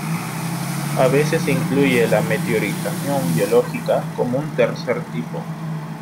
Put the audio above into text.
A veces se incluye la meteorización biológica como un tercer tipo.